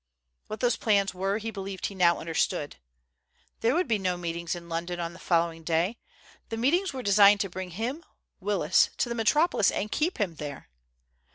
What those plans were he believed he now understood. There would be no meetings in London on the following day. The meetings were designed to bring him, Willis, to the Metropolis and keep him there.